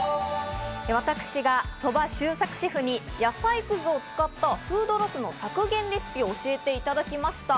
私が鳥羽周作シェフに野菜くずを使ったフードロス削減レシピを教えていただきました。